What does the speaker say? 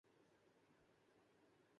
کل آپ ہماری طرف دعوت پر آرہے ہیں